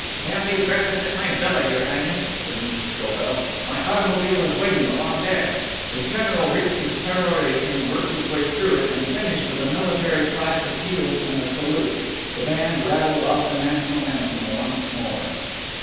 "There'll be breakfast at my villa, Your Highness," said Mr. Scobell. "My automobile is waiting along there." The General reached his peroration, worked his way through it, and finished with a military clash of heels and a salute. The band rattled off the national anthem once more.